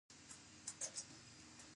علم له انسانه یو موثر غړی جوړوي.